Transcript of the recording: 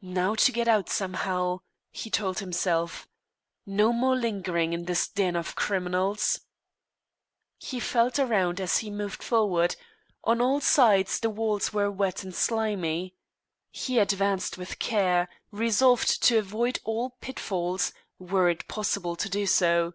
"Now to get out somehow!" he told himself. "No more lingering in this den of criminals!" He felt around, as he moved forward. On all sides the walls were wet and slimy. He advanced with care, resolved to avoid all pitfalls, were it possible to do so.